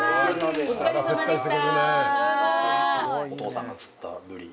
お疲れさまでした！